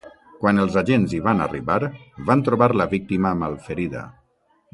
Quan els agents hi van arribar, van trobar la víctima malferida.